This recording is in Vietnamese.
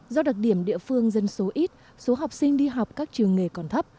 do đặc điểm địa phương dân số ít số học sinh đi học các trường nghề còn thấp